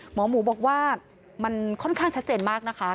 หมอหมูบอกว่ามันค่อนข้างชัดเจนมากนะคะ